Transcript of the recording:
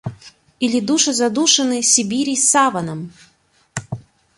Или души задушены Сибирей саваном?